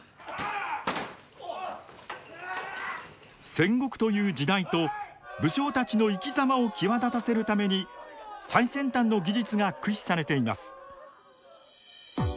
戦国という時代と武将たちの生きざまを際立たせるために最先端の技術が駆使されています。